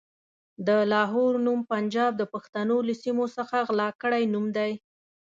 د لاهور نوم پنجاب د پښتنو له سيمو څخه غلا کړی نوم دی.